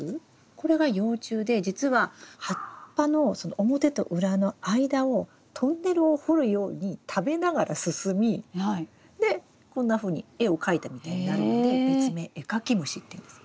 これが幼虫で実は葉っぱの表と裏の間をトンネルを掘るように食べながら進みでこんなふうに絵を描いたみたいになるので別名エカキムシっていうんです。